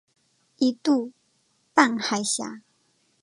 一度半海峡。